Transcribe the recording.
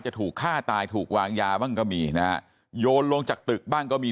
จะถูกฆ่าตายถูกวางยาบ้างก็มีนะฮะโยนลงจากตึกบ้างก็มี